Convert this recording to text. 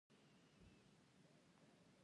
ما ورته مننه وکړه چې ستا ډېر زیات احسان دی.